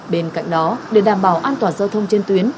bên cạnh đó để đảm bảo an toàn giao thông trên tuyến